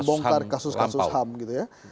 bongkar kasus kasus ham gitu ya